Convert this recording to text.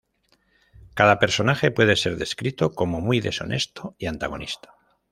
Cada personaje puede ser descrito como muy deshonesto y antagonista.